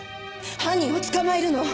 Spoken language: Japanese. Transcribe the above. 犯人を捕まえるの！